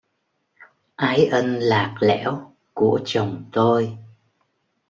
Ái ân lạt lẽo của chồng tôi